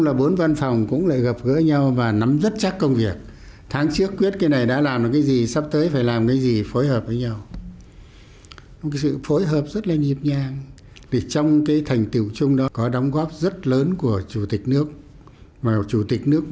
sự phối hợp rất nhịp nhàng giữa các cơ quan trong hệ thống chính trị trong đó có chủ tịch nước